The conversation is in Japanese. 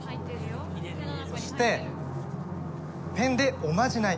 そしてペンでおまじない。